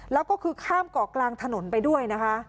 แล้วก็คือข้ามเกาะกลางถนนไปด้วยนะคะ